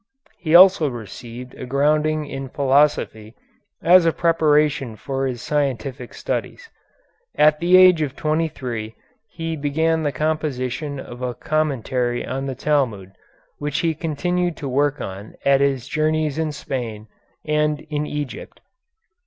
He also received a grounding in philosophy as a preparation for his scientific studies. At the age of twenty three he began the composition of a commentary on the Talmud, which he continued to work at on his journeys in Spain and in Egypt.